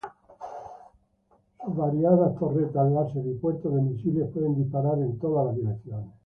Sus variadas torretas láser y puertos de misiles pueden disparar en todas las direcciones.